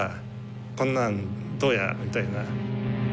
「こんなんどうや」みたいな。